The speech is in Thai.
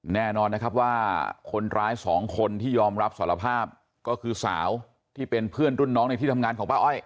แน่นอนนะครับว่าคนร้ายสองคนที่ยอมรับสารภาพก็คือสาวที่เป็นเพื่อนรุ่นน้องในที่ทำงานของป้าอ้อย